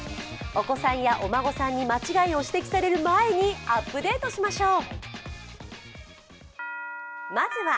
お子さんやお孫さんに間違いを指摘される前にアップデートしましょう。